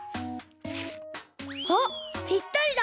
あっぴったりだ！